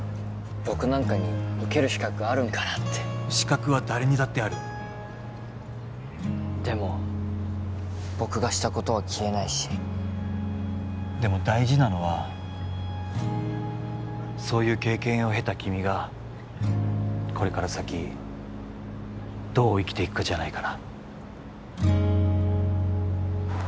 僕なんかに受ける資格あるんかなって資格は誰にだってあるでも僕がしたことは消えないしでも大事なのはそういう経験をへた君がこれから先どう生きていくかじゃないかな？